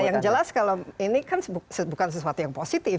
yang jelas kalau ini kan bukan sesuatu yang positif